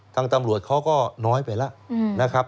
ทางตำรวจเขาก็น้อยไปแล้วนะครับ